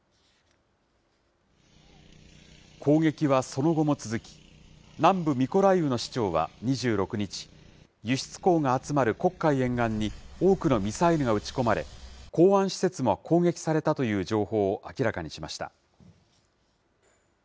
攻撃はその後も続き、南部ミコライウの市長は、２６日、輸出港が集まる黒海沿岸に、多くのミサイルが撃ち込まれ、港湾施設も攻撃されたという情報を明らかにしました。